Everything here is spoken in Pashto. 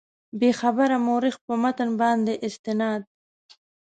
بېخبره مورخ په متن باندې استناد.